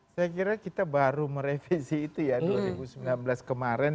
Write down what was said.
saya kira kita baru merevisi itu ya dua ribu sembilan belas kemarin